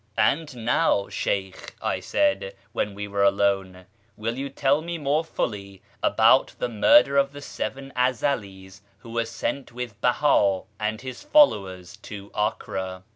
" And now, Sheykh," I said, when we were alone, " will you tell me more fully about the murder of the seven Ezelis who were sent with Beha and his followers to Acre